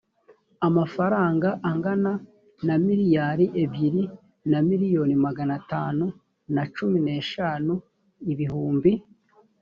amafaranga angana na miliyari ebyiri na miliyoni magana atanu na cumi n eshanu ibihumbi